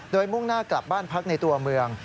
โดยมุ่งหน้ากลับบ้านพักในตัวเมือง